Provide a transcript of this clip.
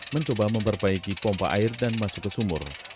mencoba memperbaiki pompa air dan masuk ke sumur